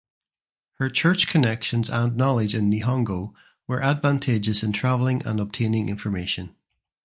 Her church connections and knowledge in Nihongo were advantageous in travelling and obtaining information.